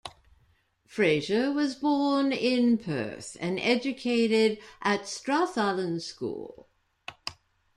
Fraser was born in Perth and educated at Strathallan School.